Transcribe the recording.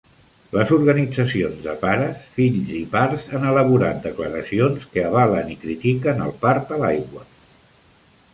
Les organitzacions de pares, fills i parts han elaborat declaracions que avalen i critiquen el part a l'aigua.